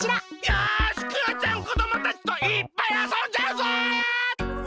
よしクヨちゃんこどもたちといっぱいあそんじゃうぞ！